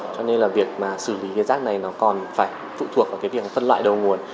cho nên việc xử lý rác này còn phải phụ thuộc vào việc phân loại đầu nguồn